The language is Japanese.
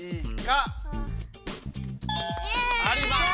あります。